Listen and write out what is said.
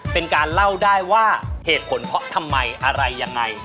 เป็นการเล่าได้ว่าเหตุผลเพราะทำไมอะไรยังไง